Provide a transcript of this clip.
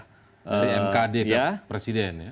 dari mkd ke presiden ya